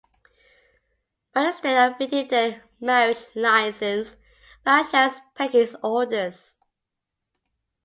But instead of reading their marriage license, Bow shows Peggy his orders.